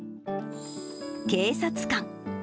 警察官。